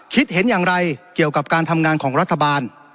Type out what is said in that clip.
คิดเห็นอย่างไรเกี่ยวกับการทำงานของรัฐบาล